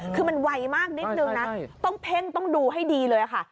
คือมันไวมากนิดนึงนะต้องเพ่งต้องดูให้ดีเลยค่ะ